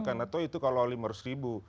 karena itu kalau lima ratus ribu